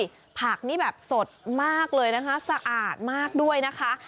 ใช่ผักนี่แบบสดมากเลยนะคะสะอาดมากด้วยนะคะ